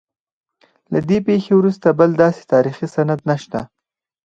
له دې پیښې وروسته بل داسې تاریخي سند نشته.